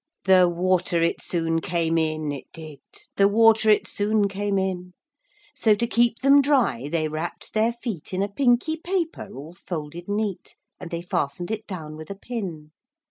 The water it soon came in, it did; The water it soon came in:So, to keep them dry, they wrapp'd their feetIn a pinky paper all folded neat:And they fasten'd it down with a pin.